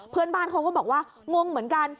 เพื่อนบ้านเขาก็บอกว่างงเหมือนกัน